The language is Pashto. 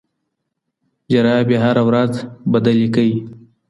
جرابې هره ورځ بدل کړئ.